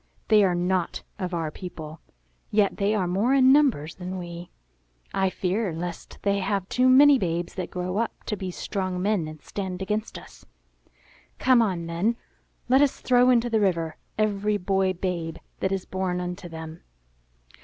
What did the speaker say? They are not of our people; yet they are more in numbers than we. I fear lest they have too many babes that grow up to be strong men and stand against us. Come on then; let us throw into the river every boy babe that is born unto them."